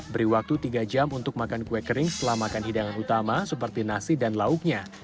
beri waktu tiga jam untuk makan kue kering setelah makan hidangan utama seperti nasi dan lauknya